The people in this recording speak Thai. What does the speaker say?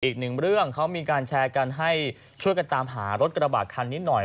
อีกหนึ่งเรื่องเขามีการแชร์กันให้ช่วยกันตามหารถกระบาดคันนี้หน่อย